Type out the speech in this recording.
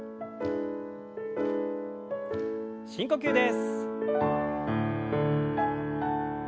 深呼吸です。